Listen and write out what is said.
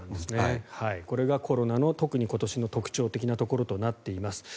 これがコロナの特に今年の特徴的なところとなっています。